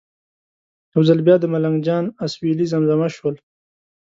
یو ځل بیا د ملنګ جان اسویلي زمزمه شول.